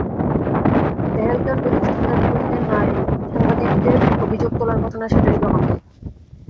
তেহেলকার প্রতিষ্ঠাতার বিরুদ্ধে নারী সাংবাদিকদের অভিযোগ তোলার ঘটনা সেটারই প্রমাণ দেয়।